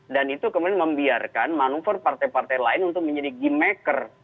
dan itu kemudian membiarkan manuver partai partai lain untuk menjadi game maker